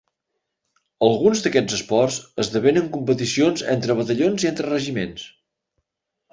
Alguns d'aquests esports esdevenen competicions entre batallons i entre regiments.